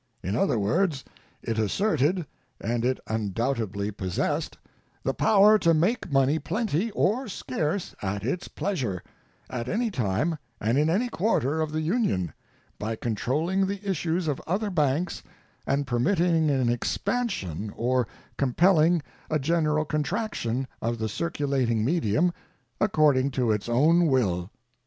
In other words, it asserted (and it undoubtedly possessed) the power to make money plenty or scarce at its pleasure, at any time and in any quarter of the Union, by controlling the issues of other banks and permitting an expansion or compelling a general contraction of the circulating medium, according to its own will.